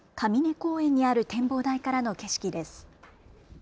公園にある展望台からの景色です。